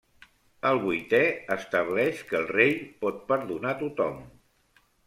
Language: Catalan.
El vuitè estableix que el rei pot perdonar tothom.